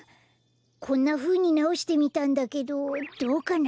こんなふうになおしてみたんだけどどうかな？